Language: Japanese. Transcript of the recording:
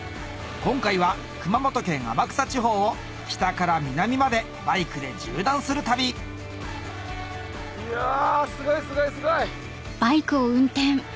今回は熊本県天草地方を北から南までバイクで縦断する旅いやすごいすごいすごい！